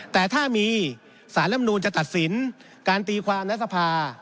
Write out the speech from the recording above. แต่ถ้ามีสารลำนูนจะตัดสินการตีความในสภา